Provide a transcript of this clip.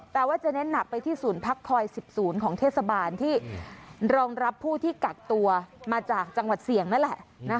แต่ว่าจะเน้นหนักไปที่ศูนย์พักคอย๑๐ศูนย์ของเทศบาลที่รองรับผู้ที่กักตัวมาจากจังหวัดเสี่ยงนั่นแหละ